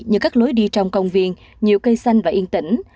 như các lối đi trong công viên nhiều cây xanh và yên tĩnh